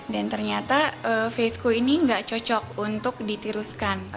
dan ternyata faceku ini gak cocok untuk ditiruskan